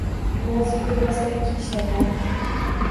Nozik liboslar kiyishadi a